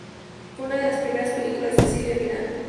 Fue una de las primeras películas de Silvia Pinal.